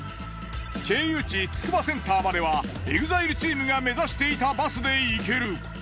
経由地つくばセンターまではＥＸＩＬＥチームが目指していたバスで行ける。